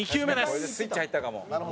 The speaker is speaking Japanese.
「これでスイッチ入ったかも」